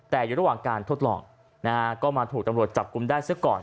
แต่อยู่ระหว่างการทดลองนะฮะก็มาถูกตำรวจจับกลุ่มได้ซะก่อน